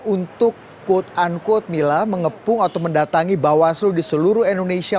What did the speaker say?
untuk quote unquote mila mengepung atau mendatangi bawaslu di seluruh indonesia